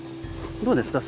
どうですか？